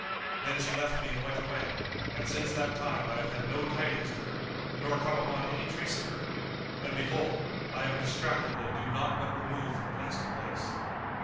Then she left me and went away; and since that time I have had no tidings of her nor come upon any trace of her; and behold, I am distracted and do naught but remove from place to place."